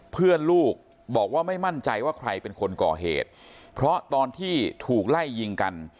ลูกบอกว่าไม่มั่นใจว่าใครเป็นคนก่อเหตุเพราะตอนที่ถูกไล่ยิงกัน